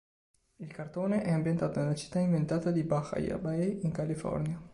Il cartone è ambientato nella città inventata di Bahia Bay in California.